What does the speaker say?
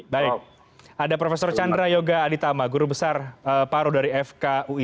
baik ada prof chandra yoga aditama guru besar paru dari fkui